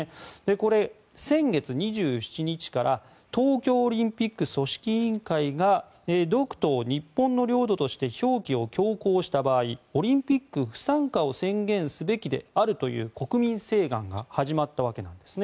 これ、先月２７日から東京オリンピック組織委員会が独島を日本の領土として表記を強行した場合オリンピック不参加を宣言すべきであるという国民請願が始まったわけです。